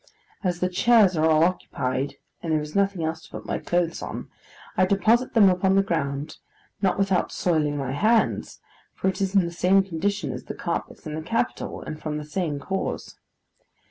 As the chairs are all occupied, and there is nothing else to put my clothes on, I deposit them upon the ground: not without soiling my hands, for it is in the same condition as the carpets in the Capitol, and from the same cause.